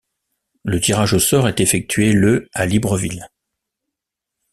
Le tirage au sort est effectué le à Libreville.